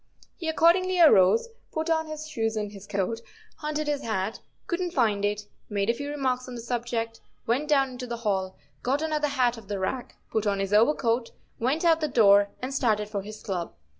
He accordingly arose, put on his shoes and his coat, hunted his hat, couldn't find it, made a few remarks on the subject, went down into the hall, got another hat off the rack, put on his overcoat, went out the door and started for his club.